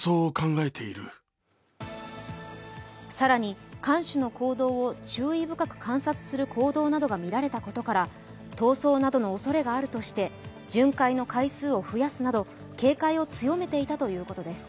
更に、看守の行動を注意深く観察する行動などがみられたことから、逃走などのおそれがあるとして巡回の回数を増やすなど警戒を強めていたということです。